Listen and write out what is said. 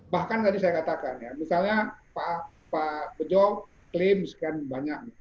bahkan tadi saya katakan ya misalnya pak bejo klaim sekian banyak